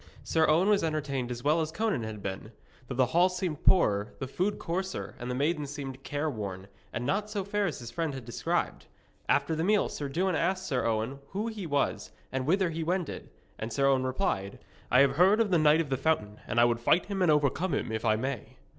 Sir Owen was entertained as well as Conan had been, though the hall seemed poorer, the food coarser, and the maidens seemed careworn, and not so fair as his friend had described. After the meal Sir Dewin asked Sir Owen who he was and whither he wended, and Sir Owen replied: 'I have heard of the Knight of the Fountain, and I would fight him and overcome him, if I may.'